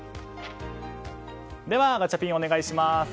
ではガチャピン、お願いします。